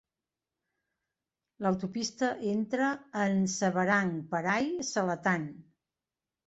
L'autopista entra en Seberang Perai Selatan.